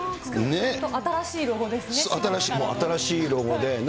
新しいロゴですね。